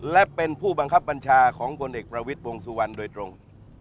และเป็นผู้บังคับบัญชาของพลเอกประวิทย์วงสุวรรณโดยตรง